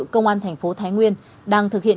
công an thành phố thái nguyên đang thực hiện